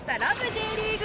Ｊリーグ』！